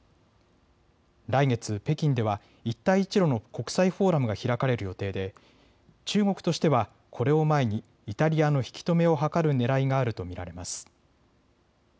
来月、北京では一帯一路の国際フォーラムが開かれる予定で中国としてはこれを前にイタリアの引き止めを図るねらいがあると見られます。